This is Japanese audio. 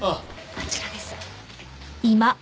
あちらです。